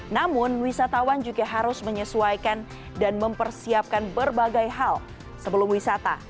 namun wisatawan juga harus menyesuaikan dan mempersiapkan berbagai hal sebelum wisata